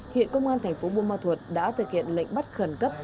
hiện công an thành phố bùa ma thuật đã thực hiện lệnh bắt khẩn cấp